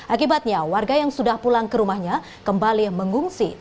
akibatnya warga yang sudah pulang ke rumahnya kembali mengungsi